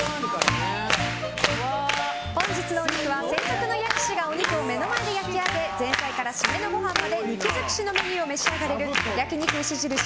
本日のお肉は専属の焼き師がお肉を目の前で焼き上げ前菜から締めのご飯まで肉尽くしのメニューを召し上がれる焼肉牛印